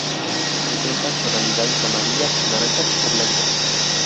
Presentan tonalidades amarillas, naranjas o blancas.